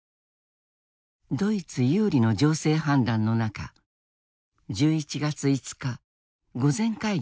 ドイツ有利の情勢判断の中１１月５日御前会議が開かれた。